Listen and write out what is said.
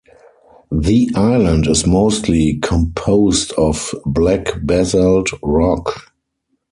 The island is mostly composed of black basalt rock.